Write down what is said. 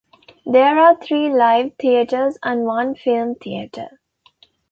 There are three live theaters and one film theater.